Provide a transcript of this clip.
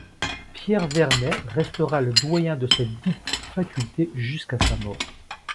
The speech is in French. Pierre Vernet restera le Doyen de cette dite Faculté jusqu'à sa mort.